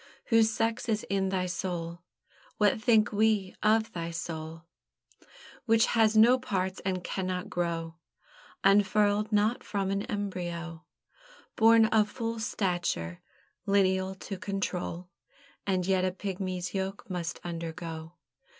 "Whose sex is in thy soul!" What think we of thy soul? Which has no parts, and cannot grow, Unfurled not from an embryo; Born of full stature, lineal to control; And yet a pigmy's yoke must undergo.